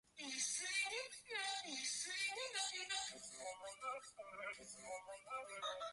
撤回はしなくていい、所詮獣の戯言俺の心には響かない。